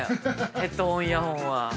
ヘッドホンイヤホンは。